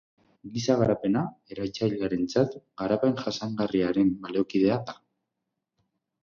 Giza garapena, eratzailearentzat, garapen jasangarriaren baliokidea da.